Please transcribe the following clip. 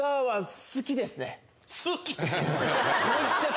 好き！？